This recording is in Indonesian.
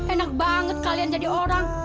enak banget kalian jadi orang